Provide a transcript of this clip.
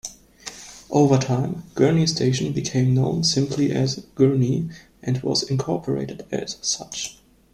Over time, Gurnee Station became known simply as "Gurnee" and was incorporated as such.